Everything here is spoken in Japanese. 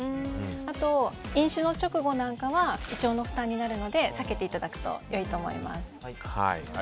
あと飲酒の直後なんかは胃腸の負担になるので避けていただくとよいと思います。